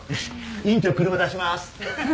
院長車出します！